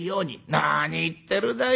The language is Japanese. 「何言ってるだよ